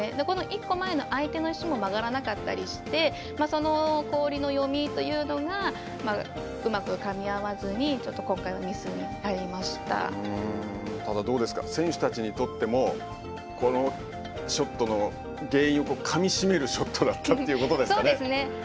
このいっこ前の相手の石も曲がらなかったりしてその氷の読みというのがうまくかみ合わずにちょっと今回はミスにただ、どうですか選手たちにとってもこのショットの原因をかみしめるショットだったということですか？